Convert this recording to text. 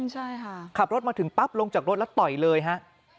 ใช่ค่ะขับรถมาถึงปั๊บลงจากรถแล้วต่อยเลยฮะ